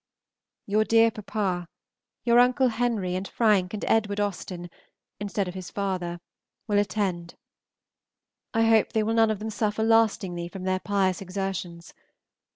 Your dear papa, your Uncle Henry, and Frank and Edwd. Austen, instead of his father, will attend. I hope they will none of them suffer lastingly from their pious exertions.